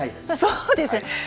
そうですね。